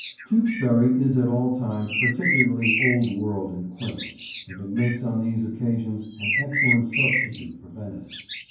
Tewkesbury is at all times particularly old world and quaint, and it makes on these occasions an excellent substitute for Venice.